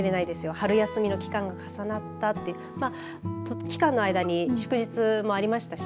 春休みの期間が重なったって期間の間に祝日もありましたし。